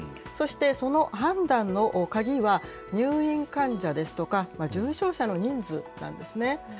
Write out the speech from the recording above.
そして、その判断の鍵は、入院患者ですとか、重症者の人数なんですね。